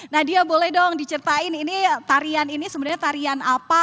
nadia boleh dong diceritain ini tarian ini sebenarnya tarian apa